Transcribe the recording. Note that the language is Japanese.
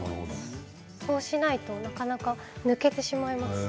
そうしないとなかなか、抜けてしまいます。